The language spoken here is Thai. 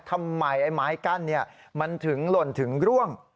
ทำไมไอ้ไม้กั้นมันถึงหล่นถึงร่วง